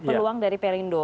peluang dari perindo